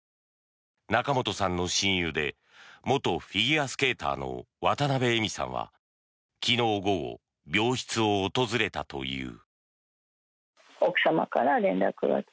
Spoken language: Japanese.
仲本さんの親友で元フィギュアスケーターの渡部絵美さんは昨日午後、病室を訪れたという。